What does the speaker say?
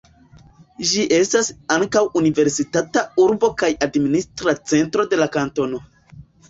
Ĝi estas ankaŭ universitata urbo kaj administra centro de la kantono.